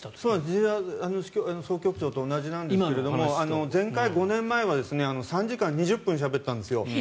千々岩総局長と一緒なんですが前回、５年前は３時間２０分しゃべったんですよ。